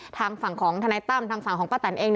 ทางฝั่งของทนายตั้มทางฝั่งของป้าแตนเอง